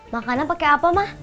makannya pake apa mah